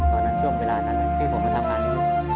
ตอนนั้นช่วงเวลานั้นพี่ผมจะทำงานนิดหนึ่ง